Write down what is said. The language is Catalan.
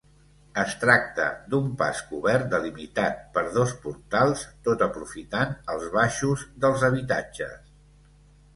Es tracta d’un pas cobert delimitat per dos portals tot aprofitant els baixos dels habitatges.